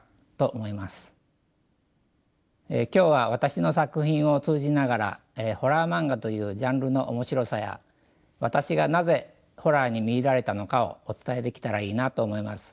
今日は私の作品を通じながらホラー漫画というジャンルの面白さや私がなぜホラーにみいられたのかをお伝えできたらいいなと思います。